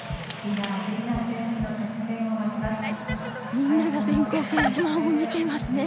みんなが電光掲示板を見ていますね。